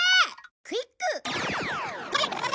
クイック！